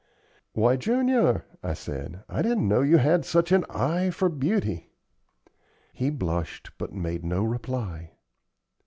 "Why, Junior," I said, "I didn't know you had such an eye for beauty." He blushed, but made no reply.